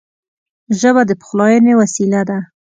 ژبه د پخلاینې وسیله ده